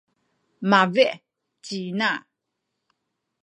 mabi’ ci ina.